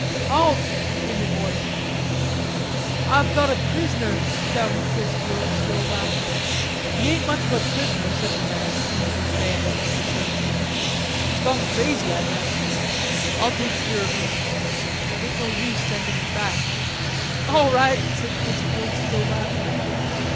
"Halt!" came a voice. "Ah've got a prisoner," shouted Chrisfield still laughing. "He ain't much of a prisoner," said the man, pointing his bayonet at the German. "He's gone crazy, I guess. I'll take keer o' him... ain't no use sendin' him back." "All right," said Chrisfield still laughing.